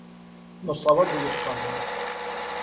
Но слова были сказаны.